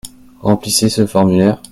Remplissez ce formulaire.